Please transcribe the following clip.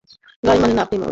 গাঁয়ে মানে না আপনি মোড়ল।